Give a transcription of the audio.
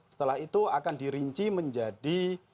setelah itu akan dirinci menjadi